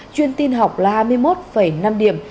chuyên tin học là hai mươi một năm điểm